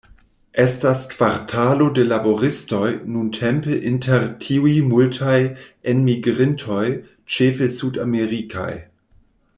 Estas kvartalo de laboristoj, nuntempe inter tiuj multaj enmigrintoj, ĉefe sudamerikaj.